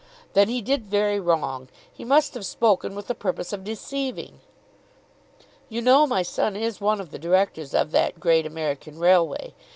"Then he did very wrong. He must have spoken with the purpose of deceiving." "You know my son is one of the Directors of that great American Railway.